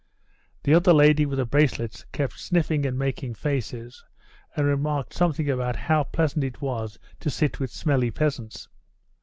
The other lady with the bracelets kept sniffing and making faces, and remarked something about how pleasant it was to sit with smelly peasants.